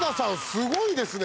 すごいですね。